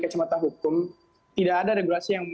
kacamata hukum tidak ada regulasi yang